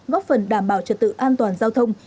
góp phần đảm bảo trật tự an toàn giao thông